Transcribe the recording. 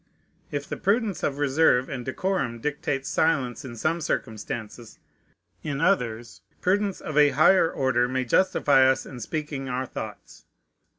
If the prudence of reserve and decorum dictates silence in some circumstances, in others prudence of a higher order may justify us in speaking our thoughts.